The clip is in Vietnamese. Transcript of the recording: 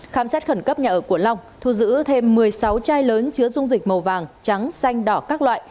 khám xét khẩn cấp nhà ở của long thu giữ thêm một mươi sáu chai lớn chứa dung dịch màu vàng trắng xanh đỏ các loại